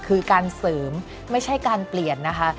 คือการเสริมไม่ใช่การเปลี่ยนนะคะ